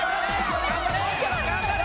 ・頑張れ！